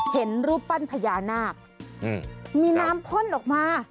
เห็นรูปปั้นพญานาคมีน้ำพ่นออกมา